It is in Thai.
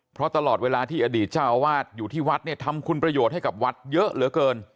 เพราะตลอดเวลาที่อดีตเจ้าอาวาสอยู่ที่วัดเนี่ยทำคุณประโยชน์ให้กับวัดเยอะเหลือเกิน